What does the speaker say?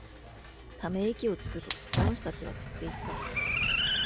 ため息をつくと、男子たちは散っていった。